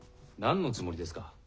何のつもりですか。